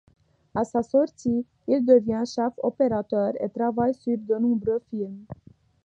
À sa sortie, il devient chef opérateur et travaille sur de nombreux films.